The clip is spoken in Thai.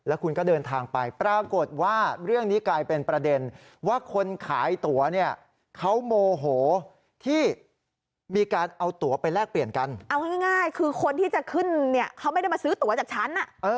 เอาง่ายคือคนที่จะขึ้นเขาไม่ได้มาซื้อตัวจากฉัน